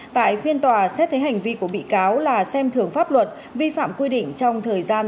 tại phiên tòa xét thấy hành vi của bị cáo là xem thường pháp luật vi phạm quy định trong thời gian